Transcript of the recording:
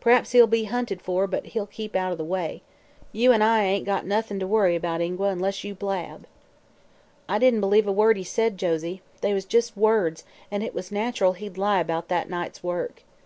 P'raps he'll be hunted for, but he'll keep out a' the way. You an' I ain't got noth'n' to worry about, Ingua unless you blab.' "I didn't believe a word he said, Josie. They was jus' words, an' it was nat'ral he'd lie about that night's work.